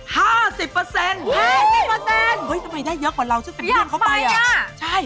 เฮ้ยทำไมได้เยอะกว่าเราซึ่งเป็นเรื่องเข้าไป